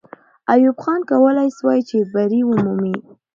ایوب خان کولای سوای چې بری ومومي.